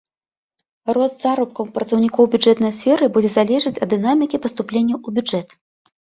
Рост заробкаў працаўнікоў бюджэтнай сферы будзе залежаць ад дынамікі паступленняў у бюджэт.